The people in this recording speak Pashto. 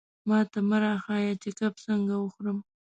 ماته مه را ښیه چې کب څنګه وخورم.